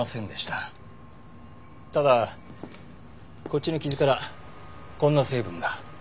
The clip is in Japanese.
ただこっちの傷からこんな成分が。